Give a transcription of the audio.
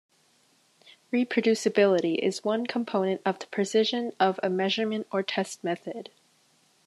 Reproducibility is one component of the precision of a measurement or test method.